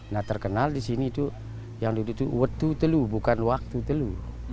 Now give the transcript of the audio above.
nah terkenal di sini itu yang dulu itu wetutelu bukan waktutelu